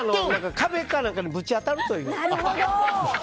壁かなんかにぶち当たるという。